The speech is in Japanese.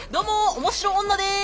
面白女です！」。